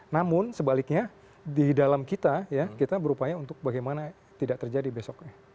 namun sebaliknya di dalam kita ya kita berupaya untuk bagaimana tidak terjadi besoknya